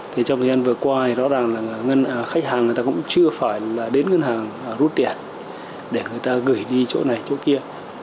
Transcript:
trong thời gian vừa qua thì rõ ràng là khách hàng cũng chưa phải đến ngân hàng rút tiền để người ta gửi đi chỗ này chỗ kia